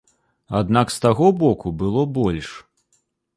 Аднак з таго боку было больш.